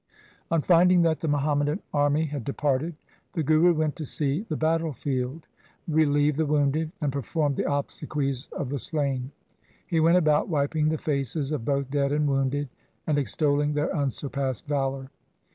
On finding that the Muhammadan army had departed, the Guru went to see the battle field, relieve the wounded, and perform the obsequies of the slain. He went about wiping the faces of both dead and wounded, and extolling their unsurpassed valour.